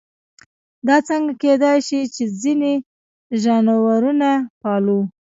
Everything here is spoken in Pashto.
دا څنګه کېدای شي چې ځینې ژانرونه پالو.